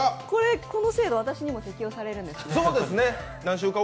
この制度私にも適用されるんですね。